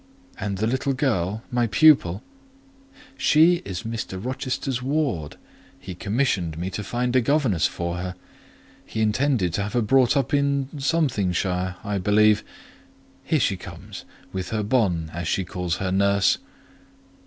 "And the little girl—my pupil!" "She is Mr. Rochester's ward; he commissioned me to find a governess for her. He intended to have her brought up in ——shire, I believe. Here she comes, with her 'bonne,' as she calls her nurse."